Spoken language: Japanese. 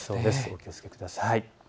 お気をつけください。